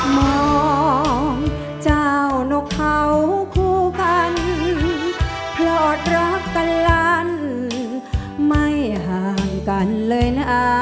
มองเจ้านกเข้าคู่กัน